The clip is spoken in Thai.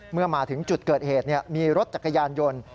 เมื่อมาถึงจุดเกิดเหตุมีรถจักรยานยนต์